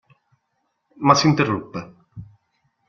Ma s'interruppe.